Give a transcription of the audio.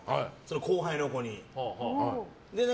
後輩の子に。